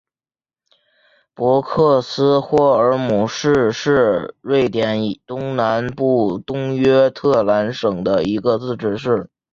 博克斯霍尔姆市是瑞典东南部东约特兰省的一个自治市。